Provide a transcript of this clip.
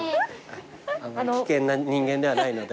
危険な人間ではないので。